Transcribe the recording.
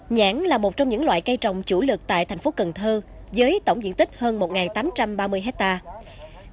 nhãn là một trong những loại cây trồng chủ lực tại thành phố cần thơ với tổng diện tích hơn một tám trăm ba mươi hectare